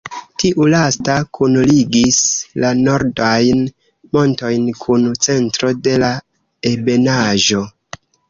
Tiu lasta kunligis la nordajn montojn kun centro de la ebenaĵo.